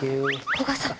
古賀さん。